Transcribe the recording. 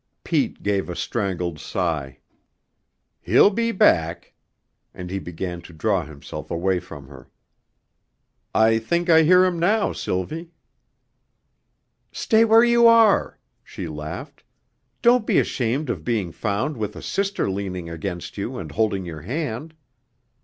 Pete gave a strangled sigh. "He'll be back." And he began to draw himself away from her. "I think I hear him now, Sylvie." "Stay where you are," she laughed. "Don't be ashamed of being found with a sister leaning against you and holding your hand.